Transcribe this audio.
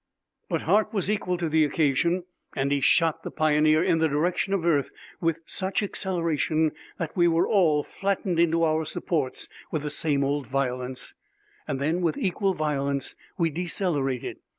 But Hart was equal to the occasion and he shot the Pioneer in the direction of the earth with such acceleration that we all were flattened into our supports with the same old violence. Then, with equal violence, we decelerated.